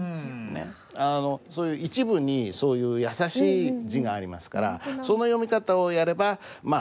一部にそういう易しい字がありますからその読み方をやればまあコツ。